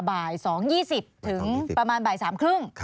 บ่ายสองยี่สิบถึงประมาณบ่ายสามครึ่ง